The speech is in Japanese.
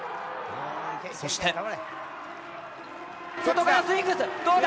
そして。